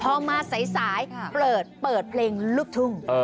พอมาสายเปิดเพลงลูกทุ่ง